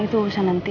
itu urusan nanti